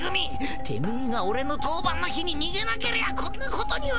てめえが俺の当番の日に逃げなけりゃこんなことには。